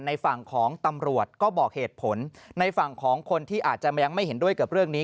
ในฝั่งของตำรวจก็บอกเหตุผลในฝั่งของคนที่อาจจะยังไม่เห็นด้วยกับเรื่องนี้